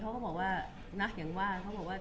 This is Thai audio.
เพราะว่าอันนามันเองเขาก็บอกว่า